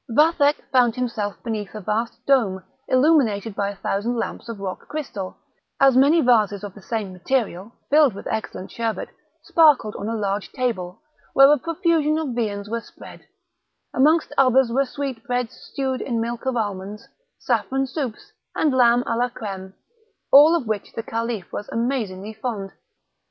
Vathek found himself beneath a vast dome, illuminated by a thousand lamps of rock crystal; as many vases of the same material, filled with excellent sherbet, sparkled on a large table, where a profusion of viands were spread; amongst others were sweetbreads stewed in milk of almonds, saffron soups, and lamb à la crême, of all which the Caliph was amazingly fond.